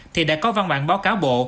thì đã có văn bản báo cáo bộ